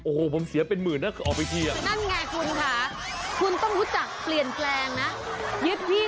โอ้โหผมเสียเป็นหมื่นนะออกไปที่นี่